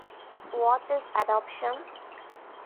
What is adoption?